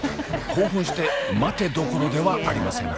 興奮して待てどころではありません。